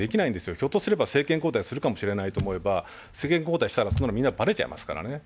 ひょっとすれば政権交代するかもしれないと思えば、政権交代したら、そんなのみんなバレちゃいますからね。